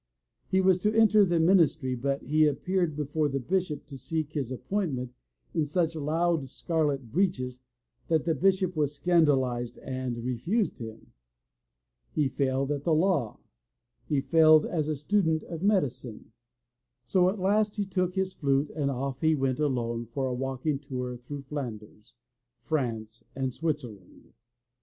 He was to enter the min istry, but he appeared before the Bishop to seek his appointment in such loud scarlet breeches that the Bishop was scandalized and refused him. He failed at the law; he failed as a student of medicine. So at last he took his flute and off he went alone for a walking tour through Flanders, France and Switzerland.